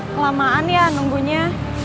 kelamaan ya nunggunya